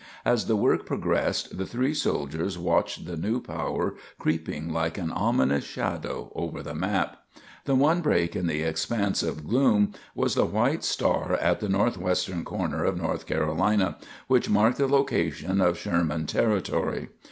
As the work progressed, the three soldiers watched the new power creeping like an ominous shadow over the map. The one break in the expanse of gloom was the white star at the northwestern corner of North Carolina, which marked the location of Sherman Territory.